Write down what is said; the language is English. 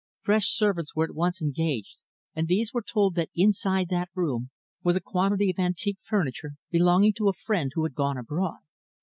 Fresh servants were at once engaged, and these were told that inside that room was a quantity of antique furniture belonging to a friend who had gone abroad.